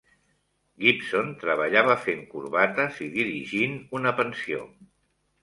Gibson treballava fent corbates i dirigint una pensió.